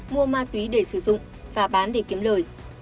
mua ma túy để sử dụng và bán để kiếm lời